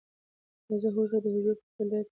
تازه هوږه د حجرو پر فعالیت اغېز کوي.